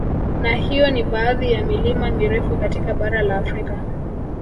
Na hiyo ni baadhi ya milima mirefu katika bara la Afrika